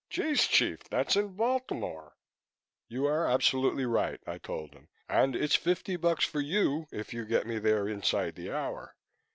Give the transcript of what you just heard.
"Jeeze, Chief! That's in Baltimore." "You are absolutely right," I told him, "and it's fifty bucks for you if you get me there inside the hour."